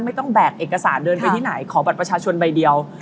แบกเอกสารเดินไปที่ไหนขอบัตรประชาชนใบเดียว